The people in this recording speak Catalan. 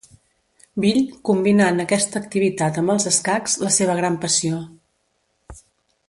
Bill, combinant aquesta activitat amb els escacs, la seva gran passió.